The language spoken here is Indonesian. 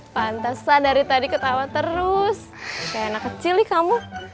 pantes lah dari tadi ketawa terus kayak anak kecil nih kamu